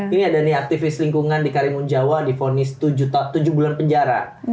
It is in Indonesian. ini ada nih aktivis lingkungan di karimun jawa difonis tujuh bulan penjara